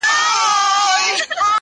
له ډېر غمه یې څښتن سو فریشانه,